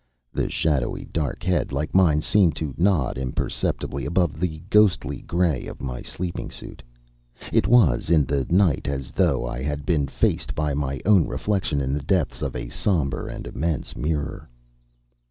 The shadowy, dark head, like mine, seemed to nod imperceptibly above the ghostly gray of my sleeping suit. It was, in the night, as though I had been faced by my own reflection in the depths of a somber and immense mirror.